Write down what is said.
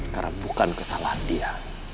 karena bukan kesalahan dia